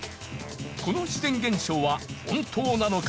この自然現象は本当なのか？